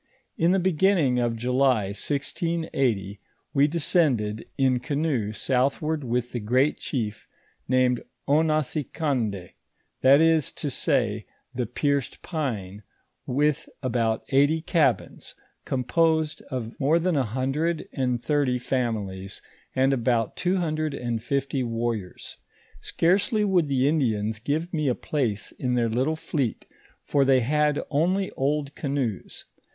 In the beginning of July, 1680, we descended in canoe southward with the great chief named Ouasicoudd, that is to say, the Pierced pine, with about eighty cabins, composed of mo than a hundred and thirty families, and about two hundret. and fifly warriors. Scarcely would the Indians give me a place in their little fleet, for they had only oid canoes.